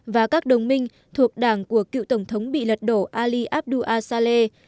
và các đồng minh thuộc đảng của cựu tổng thống bị lật đổ ali abdullah saleh